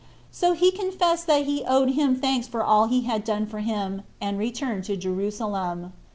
So he confessed that he owed him thanks for all he had done for him, and returned to Jerusalem.